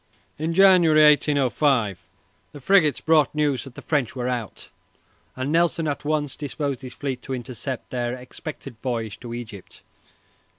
In January, 1805, the frigates brought news that the French were out, and Nelson at once disposed his fleet to intercept their expected voyage to Egypt.